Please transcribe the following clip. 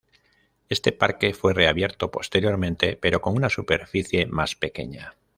Este parque fue reabierto posteriormente, pero con una superficie más pequeña.